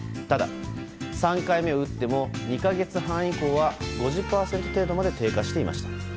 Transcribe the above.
ただ、３回目を打っても２か月半以降は５０％程度まで低下していました。